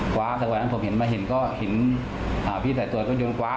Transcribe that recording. ขวาสักวันผมเห็นมาเห็นก็เห็นพี่สายตัวรถยนต์ขวา